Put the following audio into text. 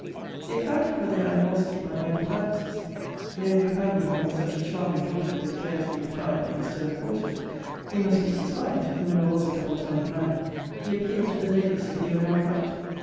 He accounted for their animosity by my defiances: no good family, having such a charming daughter, would care to be defied, instead of courted: he must speak his mind: never was a double tongued man. He appealed to the ladies, if he were not right?